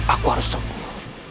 aku harus sepuh